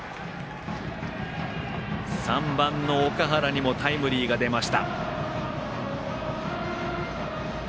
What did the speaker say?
３番の岳原にもタイムリーが出ました。